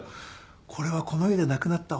これはこの家で亡くなった奥さんが。